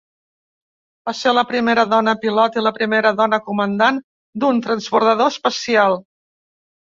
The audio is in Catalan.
Va ser la primera dona pilot i la primera dona comandant d'un transbordador espacial.